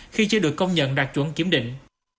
khi chưa được công nhận đạt chuẩn kiếm định